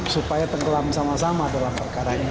supaya tenggelam sama sama dalam perkara ini